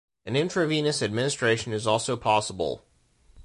An intravenous administration is also possible.